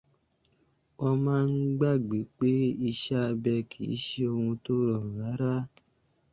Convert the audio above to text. Wọ́n maa ń gbàgbé pé iṣẹ́ abẹ kìí ṣe ohun tó rọrùn rárá